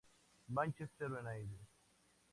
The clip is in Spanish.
Manchester United